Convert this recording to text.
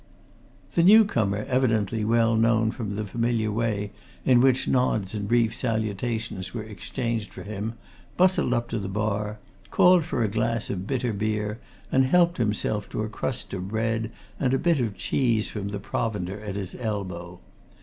The new comer, evidently well known from the familiar way in which nods and brief salutations were exchanged for him, bustled up to the bar, called for a glass of bitter beer and helped himself to a crust of bread and a bit of cheese from the provender at his elbow.